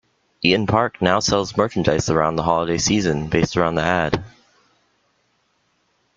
Eat'n Park now sells merchandise around the holiday season based around the ad.